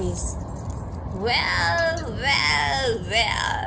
"Well, well, well!"